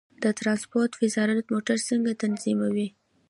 د ترانسپورت وزارت موټر څنګه تنظیموي؟